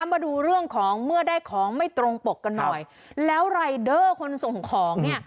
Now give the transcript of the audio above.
มาดูเรื่องของเมื่อได้ของไม่ตรงปกกันหน่อยแล้วรายเดอร์คนส่งของเนี่ย